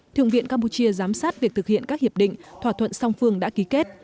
thượng viện campuchia giám sát việc thực hiện các hiệp định thỏa thuận song phương đã ký kết